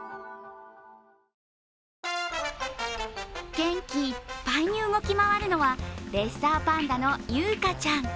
元気いっぱいに動き回るのはレッサーパンダのユウカちゃん。